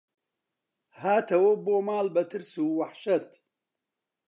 هاتەوە بۆ ماڵ بە ترس و وەحشەت